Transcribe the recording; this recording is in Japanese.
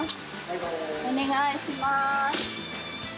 お願いします。